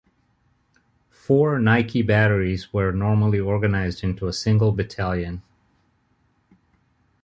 Four Nike batteries were normally organized into a single battalion.